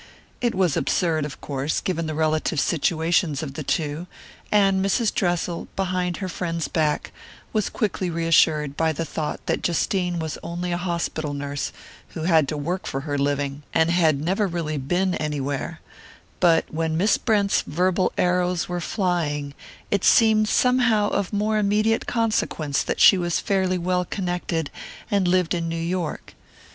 It was absurd, of course, given the relative situations of the two; and Mrs. Dressel, behind her friend's back, was quickly reassured by the thought that Justine was only a hospital nurse, who had to work for her living, and had really never "been anywhere"; but when Miss Brent's verbal arrows were flying, it seemed somehow of more immediate consequence that she was fairly well connected, and lived in New York.